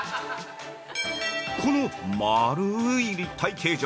この丸い立体形状。